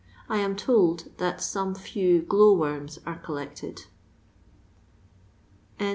I am told tlmt some few glvw woriM are collected.!